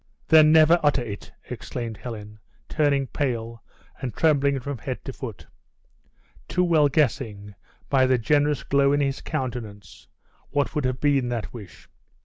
"Then, never utter it!" exclaimed Helen, turning pale, and trembling from head to foot; too well guessing, by the generous glow in his countenance, what would have been that wish.